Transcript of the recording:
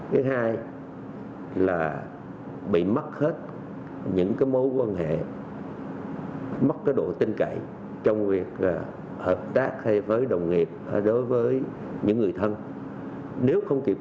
cái hai là bị mất hết những cái mối quan hệ mất cái độ tin cậy trong việc hợp tác với đồng nghiệp